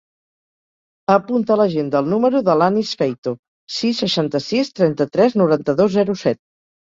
Apunta a l'agenda el número de l'Anis Feito: sis, seixanta-sis, trenta-tres, noranta-dos, zero, set.